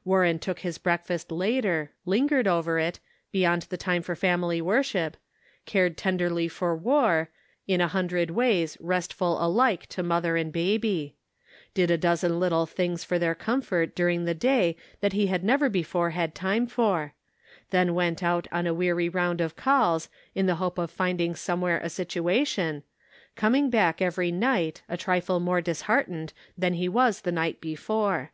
' Warren took his breakfast later, lingered after it, beyond the time for family worship, cared tenderly for War, Measured by Trial. 845 in a hundred ways restful alike to mother and baby ; did a dozen little things for their comfort during the day that he had never before had time for ; then went out on a weary round of calls in the hope of finding some where a situation, coming back every night a trifle more disheartened than he was the night before.